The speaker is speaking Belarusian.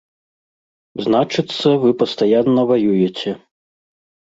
Значыцца, вы пастаянна ваюеце.